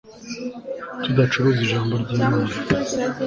tudacuruza ijambo ry'imana